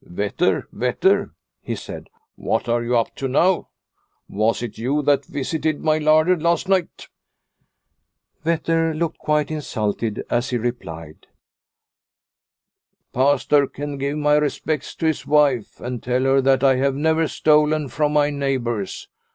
" Vetter, Vetter !" he said, " what are you up to now ? Was it you that visited my larder last night ?'; Vetter looked quite insulted as he replied :" Pastor can give my respects to his wife and tell her that I have never stolen from my neighbours.